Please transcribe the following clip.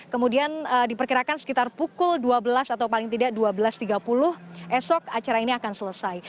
kemudian diperkirakan sekitar pukul dua belas atau paling tidak dua belas tiga puluh esok acara ini akan selesai